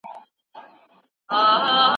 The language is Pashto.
تاريخي مطالعه بايد په دقت وسي.